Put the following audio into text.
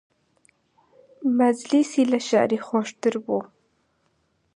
مەجلیسی لە شیعری خۆشتر بوو